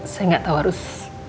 saya gak tau harus